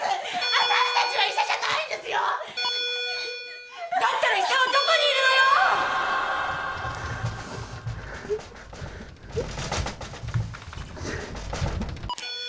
私たちは医者じゃないんですよだったら医者はどこにいるのよッ？